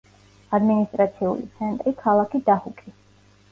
ადმინისტრაციული ცენტრი ქალაქი დაჰუკი.